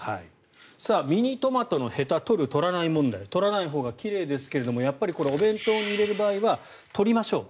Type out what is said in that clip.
ミニトマトのへた取る、取らない問題取らないほうが奇麗ですけどもこれはお弁当に入れる場合は取りましょう。